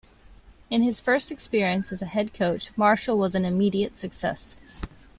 In his first experience as a head coach, Marshall was an immediate success.